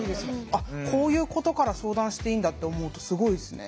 あっこういうことから相談していいんだって思うとすごいですね。